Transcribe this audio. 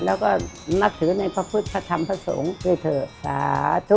และนักถือในพระพุทธพระธรรมพระสงฆ์พระเถิร์สาธุ